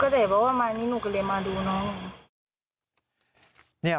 มีจำป์ว่ามานี้เพราะว่านุกเรียนมาดูเงอะ